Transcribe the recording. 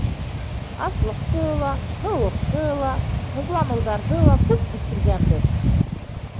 Аслыҡты ла, һыуыҡты ла, һыҙланыуҙарҙы ла күп кисергәнбеҙ.